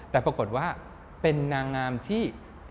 แต่ปรากฏว่าเป็นนางงามที่